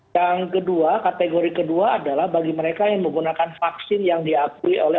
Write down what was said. yang kedua kategori kedua adalah bagi mereka yang menggunakan vaksin yang diakui oleh